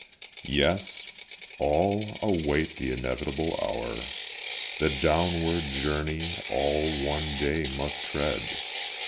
Yes, all "await the inevitable hour;" The downward journey all one day must tread.